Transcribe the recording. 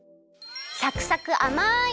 サクサクあまい！